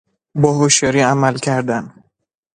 با هشیاری عمل کردن